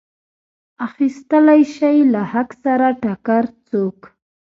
اخیستلی شي له حق سره ټکر څوک.